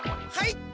はい！